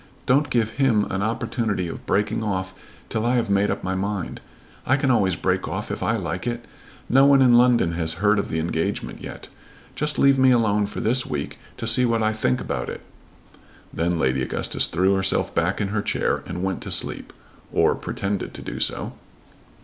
Don't give him an opportunity of breaking off till I have made up my mind. I can always break off if I like it. No one in London has heard of the engagement yet. Just leave me alone for this week to see what I think about it." Then Lady Augustus threw herself back in her chair and went to sleep, or pretended to do so.